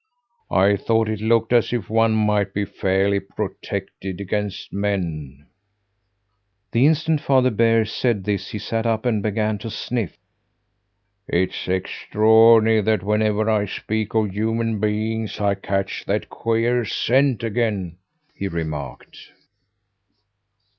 I thought it looked as if one might be fairly protected against men " The instant Father Bear said this he sat up and began to sniff. "It's extraordinary that whenever I speak of human beings I catch that queer scent again," he remarked.